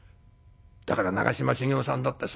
だから長嶋茂雄さんだってそうですよ。